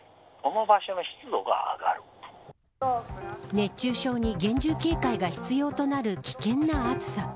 熱中症に厳重警戒が必要となる危険な暑さ。